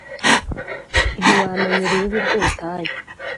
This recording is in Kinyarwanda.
Ntiwamenya urubibi rw’ubutayu